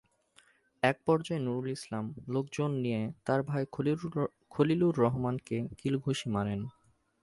একপর্যায়ে নুরুল ইসলাম লোকজন নিয়ে তাঁর ভাই খলিলুর রহমানকে কিল-ঘুষি মারেন।